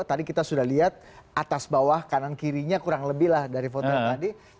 tadi kita sudah lihat atas bawah kanan kirinya kurang lebih lah dari hotel tadi